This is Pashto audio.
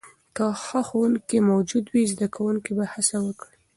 که ښه ښوونکې موجود وي، زده کوونکي به هڅه وکړي.